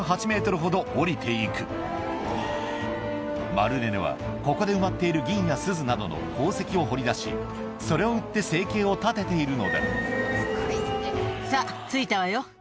マルレネはここに埋まっている銀や錫などの鉱石を掘り出しそれを売って生計を立てているのださぁ着いたわよ。